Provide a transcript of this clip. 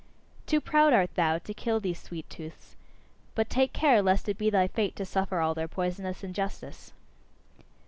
Too proud art thou to kill these sweet tooths. But take care lest it be thy fate to suffer all their poisonous injustice!